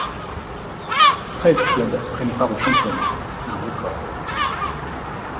Treize clubs prennent part au championnat, un record.